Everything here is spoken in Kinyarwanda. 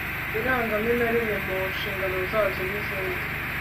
irangamimerere mu nshingano zazo n izindi